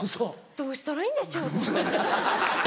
どうしたらいいんでしょう？と思って。